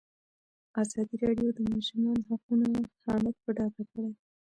ازادي راډیو د د ماشومانو حقونه حالت په ډاګه کړی.